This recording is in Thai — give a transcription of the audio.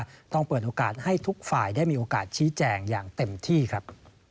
ต้องเปิดโอกาสให้ทุกฝ่ายได้มีโอกาสชี้แจงอย่างเต็มที่ครับ